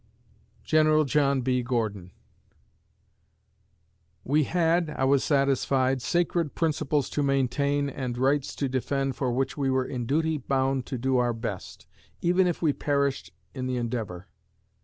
GENERAL JOHN B. GORDON We had, I was satisfied, sacred principles to maintain and rights to defend for which we were in duty bound to do our best, even if we perished in the endeavor.